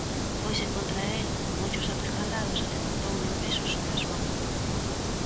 Foise contra el con ollos arregalados e levantouno en peso sobre a súa cabeza.